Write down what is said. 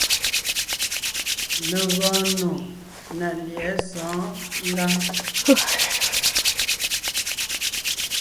Legɔɔn nò ná lyɛ̌ʼɛ sɔ̌ɔn ngǎŋ.